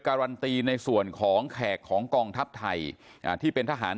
การันตีในส่วนของแขกของกองทัพไทยอ่าที่เป็นทหาร